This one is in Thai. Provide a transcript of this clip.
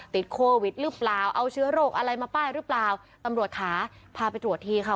ติดโควิดหรือเปล่าเอาเชื้อโรคอะไรมาป้ายหรือเปล่าตำรวจค่ะพาไปตรวจทีค่ะ